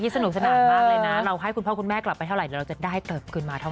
ไม่ต้องห่วงแล้วอย่างนี้หายไม่ได้อยู่แล้ว